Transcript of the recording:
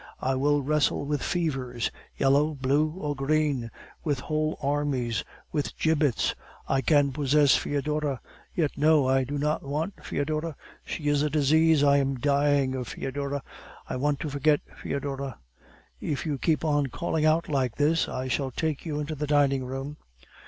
I will wrestle with fevers yellow, blue, or green with whole armies, with gibbets. I can possess Foedora Yet no, I do not want Foedora; she is a disease; I am dying of Foedora. I want to forget Foedora." "If you keep on calling out like this, I shall take you into the dining room."